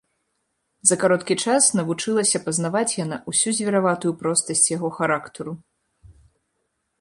За кароткі час навучылася пазнаваць яна ўсю звераватую простасць яго характару.